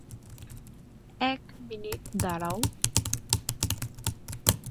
এক মিনিট দাঁড়াও!